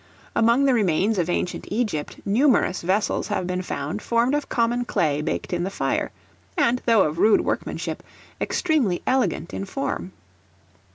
Among the remains of ancient Egypt, numerous vessels have been found formed of common clay baked in the fire; and, though of rude workmanship, extremely elegant in form.